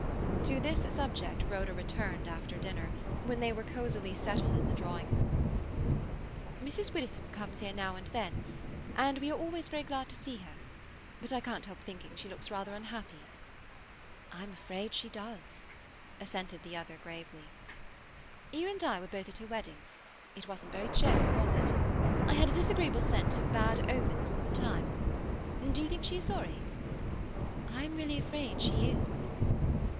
To this subject Rhoda returned after dinner, when they were cosily settled in the drawing room. "Mrs. Widdowson comes here now and then, and we are always very glad to see her. But I can't help thinking she looks rather unhappy." "I'm afraid she does," assented the other gravely. "You and I were both at her wedding. It wasn't very cheerful, was it? I had a disagreeable sense of bad omens all the time. Do you think she is sorry?" "I'm really afraid she is."